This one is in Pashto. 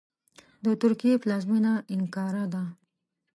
د ترکیې پلازمېنه انکارا ده .